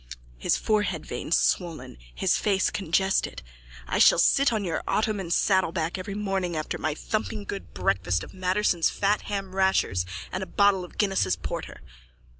(His forehead veins swollen, his face congested.) I shall sit on your ottoman saddleback every morning after my thumping good breakfast of Matterson's fat hamrashers and a bottle of Guinness's porter.